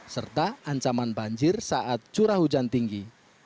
serta ancaman banjir saat curah hujan tinggi